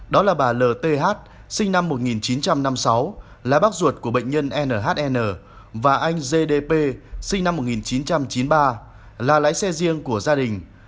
đó là bà lth sinh năm một nghìn chín trăm năm mươi sáu là bác ruột của bệnh nhân nhn và anh gdp sinh năm một nghìn chín trăm chín mươi ba là lái xe riêng của gia đình